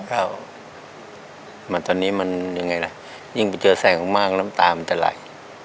ครับแต่ตอนนี้มันยังไงล่ะยิ่งเจอแสงมากน้ำตามันจะไหล